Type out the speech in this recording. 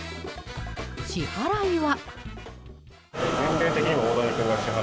支払いは。